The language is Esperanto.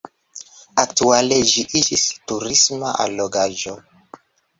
Aktuale ĝi iĝis turisma allogaĵo.